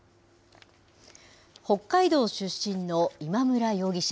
北海道出身の今村容疑者。